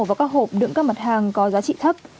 vào các hộp đựng các mặt hàng có giá trị thấp